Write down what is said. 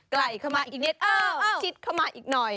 ไกลเข้ามาอีกนิดชิดเข้ามาอีกหน่อย